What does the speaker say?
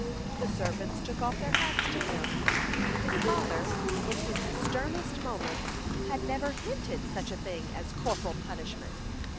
The servants took off their hats to him. His father, in his sternest moments, had never hinted such a thing as corporal punishment.